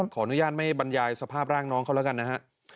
ขออนุญาตไม่บรรยายสภาพร่างน้องเขาแล้วกันนะฮะ